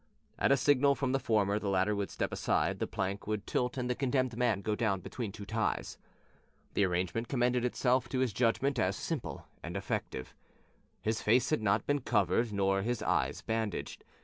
At a signal from the former the latter would step aside, the plank would tilt and the condemned man go down between two ties. The arrangement commended itself to his judgment as simple and effective. His face had not been covered nor his eyes bandaged.